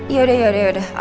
yaudah yaudah yaudah